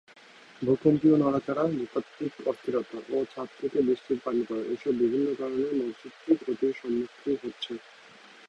ভূকম্পীয় নড়াচড়া, ভূতাত্ত্বিক অস্থিরতা ও ছাদ থেকে বৃষ্টির পানি পড়া এসব বিভিন্ন কারণে মসজিদটি ক্ষতির সম্মুখীন হচ্ছে।